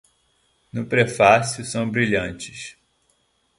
no Prefácio, são brilhantes